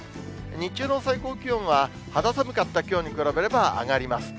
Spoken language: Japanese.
日中の最高気温は、肌寒かったきょうに比べれば上がります。